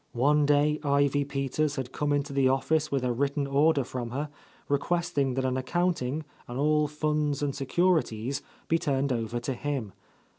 One day Ivy Peters had come into the office with a written order from her, requesting that an accounting, and all funds and securities, be turned over to him.